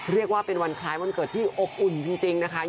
เรียกว่าเป็นวันคล้ายวันเกิดที่อบอุ่นจริงนะคะ